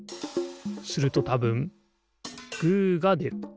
するとたぶんグーがでる。